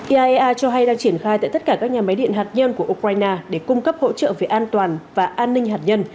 iaea cho hay đang triển khai tại tất cả các nhà máy điện hạt nhân của ukraine để cung cấp hỗ trợ về an toàn và an ninh hạt nhân